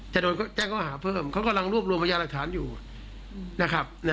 โดนแจ้งข้อหาเพิ่มเขากำลังรวบรวมพยาหลักฐานอยู่นะครับ